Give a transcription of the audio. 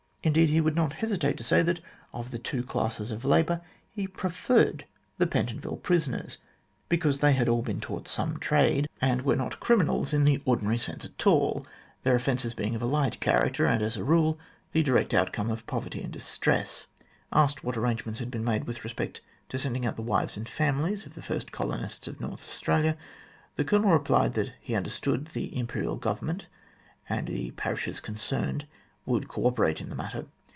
Indeed, he would not hesitate to say that of the two classes of labour he preferred the Pentonville prisoners, because they had all been taught some trade, and THE FOUNDING OF THE COLONY 39 were not criminals in the ordinary sense at all, their offences being of a light character, and, as a rule, the direct outcome of poverty and distress. Asked what arrangements had been made with respect to sending out the wives and families of the first colonists of North Australia, the Colonel replied that he understood the Imperial Government and the parishes concerned would co operate in the matter.